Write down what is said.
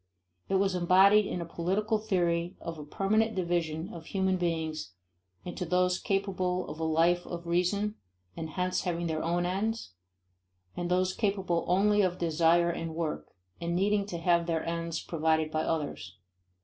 It was embodied in a political theory of a permanent division of human beings into those capable of a life of reason and hence having their own ends, and those capable only of desire and work, and needing to have their ends provided by others.